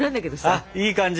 あいい感じ！